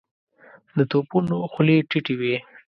د توپونو خولې ټيټې وې.